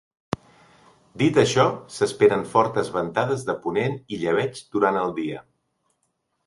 Dit això, s’esperen fortes ventades de ponent i llebeig durant el dia.